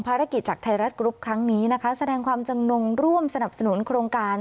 จากไทยรัฐกรุ๊ปครั้งนี้นะคะแสดงความจำนงร่วมสนับสนุนโครงการ